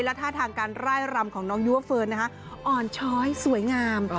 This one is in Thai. ท่าทางการไล่รำของน้องยูว่าเฟิร์นอ่อนช้อยสวยงาม